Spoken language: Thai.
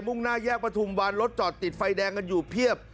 ่งหน้าแยกประทุมวันรถจอดติดไฟแดงกันอยู่เพียบ